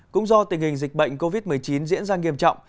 cũng do tình hình dịch bệnh covid một mươi chín diễn ra nghiêm trọng